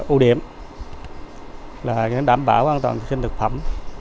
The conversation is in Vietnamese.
ưu điểm là đảm bảo an toàn vệ sinh thực phẩm